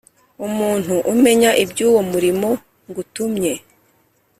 Umuntu umenya iby’ uwo murimo ngutumye